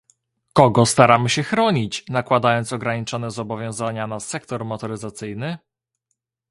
Kogo staramy się chronić, nakładając ograniczone zobowiązania na sektor motoryzacyjny?